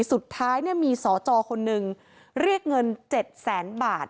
สุดท้ายเนี่ยมีสอจอคนนึงเรียกเงินเจ็ดแสนบาท